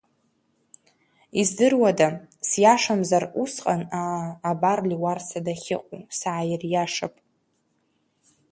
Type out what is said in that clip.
Издыруада, сиашамзар, усҟан, аа, абар, Леуарса дахьыҟоу, сааириашап.